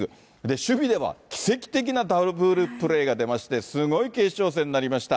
守備では奇跡的なダブルプレーが出まして、すごい決勝戦になりました。